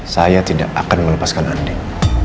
saya tidak akan melepaskan andai